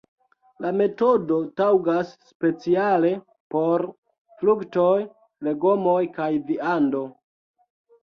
La metodo taŭgas speciale por fruktoj, legomoj kaj viando.